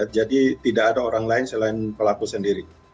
jadi tidak ada orang lain selain pelaku sendiri